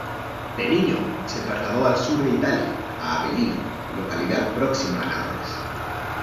De niño se trasladó al sur de Italia, a Avellino, localidad próxima a Nápoles.